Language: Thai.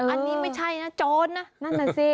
อันนี้ไม่ใช่นะโจรนะ